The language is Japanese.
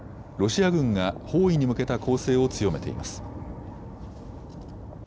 ロシア軍が包囲に向けた攻勢を強めています。